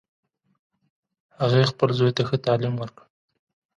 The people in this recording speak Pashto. هغې خپل زوی ته ښه تعلیم ورکړ